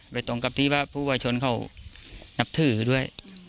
ตรงกับที่ว่าผู้วายชนเขานับถือด้วย